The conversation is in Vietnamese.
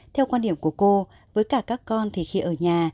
theo quan điểm của cô với cả các con thì khi ở nhà